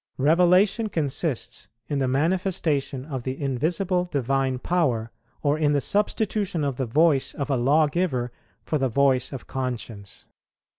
Revelation consists in the manifestation of the Invisible Divine Power, or in the substitution of the voice of a Lawgiver for the voice of conscience.